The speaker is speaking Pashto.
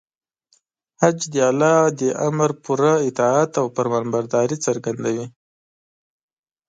حج د الله د امر پوره اطاعت او فرمانبرداري څرګندوي.